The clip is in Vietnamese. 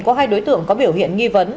có hai đối tượng có biểu hiện nghi vấn